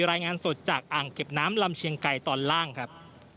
รายงานสดจากอ่างเก็บน้ำลำเชียงไก่ตอนล่างครับ